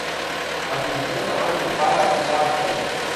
El vint-i-tres de maig mon pare irà a la Sénia.